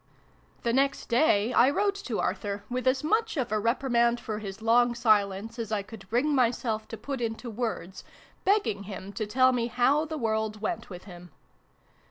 The next day I wrote to Arthur, with as much of a reprimand for his long silence as I B 2 4 SYLVIE AND BRUNO CONCLUDED. could bring myself to put into words, begging him to tell me how the world went with him.